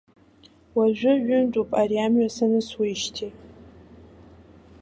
Уажәы ҩынтәуп ари амҩа санысуеижьҭеи.